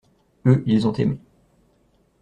Eux, ils ont aimé.